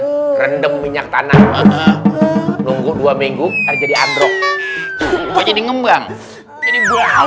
dengan rendam minyak tanah nunggu dua minggu jadi androk jadi ngembang ini